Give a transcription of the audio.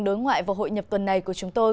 đối ngoại và hội nhập tuần này của chúng tôi